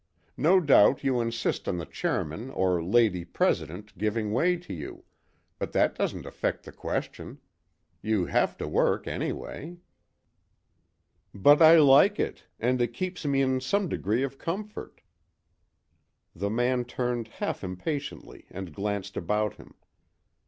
"No doubt you insist on the chairman or lady president giving way to you; but that doesn't affect the question. You have to work, anyway." "But I like it, and it keeps me in some degree of comfort." The man turned half impatiently and glanced about him.